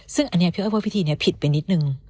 ซึ่งอันนี้พี่อ้อยว่าพิธีนี้ผิดไปนิดนึง